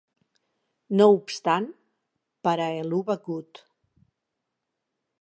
No obstant, per a Heluva Good!